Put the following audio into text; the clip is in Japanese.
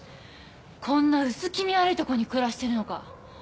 こんな薄気味悪いとこに暮らしているのか。